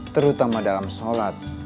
terutama dalam sholat